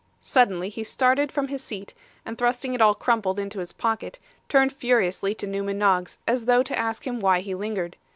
Suddenly, he started from his seat, and thrusting it all crumpled into his pocket, turned furiously to Newman Noggs, as though to ask him why he lingered.